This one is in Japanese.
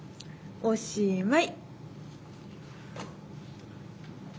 おしまい。